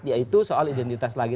yaitu soal identitas lagi